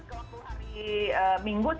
ke waktu hari minggu